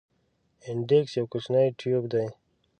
اپنډکس یو کوچنی تیوب دی.